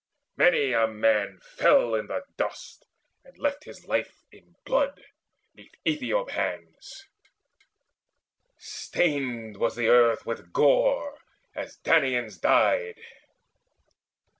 Many a man Fell in the dust, and left his life in blood 'Neath Aethiop hands. Stained was the earth with gore As Danaans died.